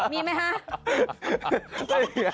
มีไหมคะ